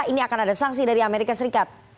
ini akan ada sanksi dari amerika serikat